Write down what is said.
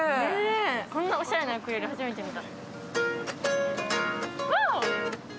こんなおしゃれなウクレレ初めて見た。